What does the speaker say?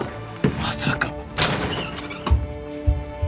まさか！